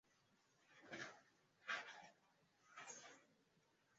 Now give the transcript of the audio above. kuunda kituo chako cha redio siyo kazi rahisi